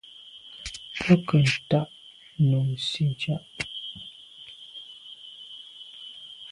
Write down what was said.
Mbèn nke ntà num nsitsha’a.